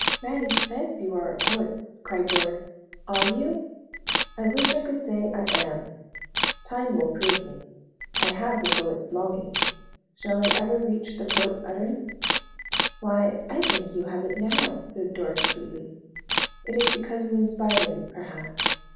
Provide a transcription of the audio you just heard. "Mattie says you are a poet!" cried Doris. "Are you?" "I wish I could say 'I am.' Time will prove me. I have the poet's longing. Shall I ever reach the poet's utterance?" "Why, I think you have it now," said Doris, sweetly. "It is because you inspire me, perhaps.